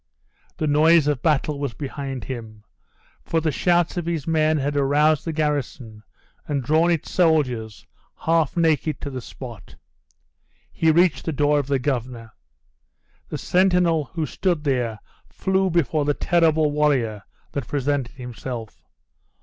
The noise of battle was behind him; for the shouts of his men had aroused the garrison and drawn its soldiers, half naked, to the spot. He reached the door of the governor. The sentinel who stood there flew before the terrible warrior that presented himself.